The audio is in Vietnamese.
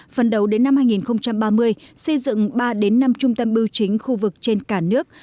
phần đầu đến năm hai nghìn ba mươi xây dựng ba năm trung tâm bưu chính khu vực trên cả nước